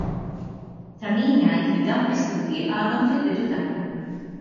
Ta' min jgħid li dawn l-istudji għadhom fil-bidu tagħhom.